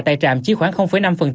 tại trạm chỉ khoảng năm